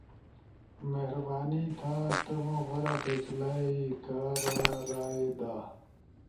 مہربانی تھا تمو غورا فیصلہ ئی کارا رائے دا۔